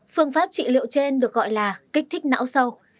phương pháp trị liệu trên được gọi là kích thích não sâu